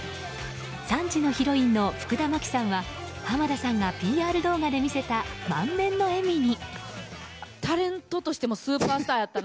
３時のヒロインの福田麻貴さんは浜田さんがＰＲ動画で見せた満面の笑みに。